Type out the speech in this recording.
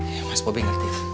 iya mas bopi ngerti